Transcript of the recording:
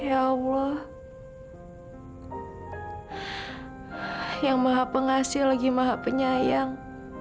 ya allah yang maha pengasih lagi maha penyayang